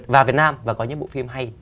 vào việt nam và có những bộ phim hay